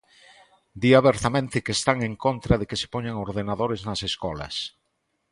Di abertamente que están en contra de que se poñan ordenadores nas escolas.